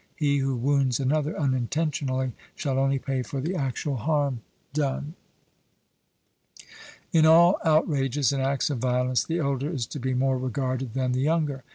He who wounds another unintentionally shall only pay for the actual harm done. In all outrages and acts of violence, the elder is to be more regarded than the younger.